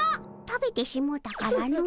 食べてしもうたからの。